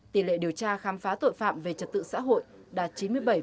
tỷ lệ điều tra khám phá tội phạm về trật tự xã hội đạt chín mươi bảy một mươi một